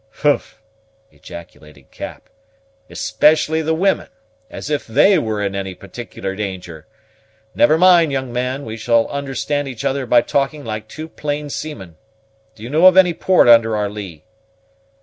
"Humph!" ejaculated Cap; "especially the women! As if they were in any particular danger. Never mind, young man; we shall understand each other by talking like two plain seamen. Do you know of any port under our lee?"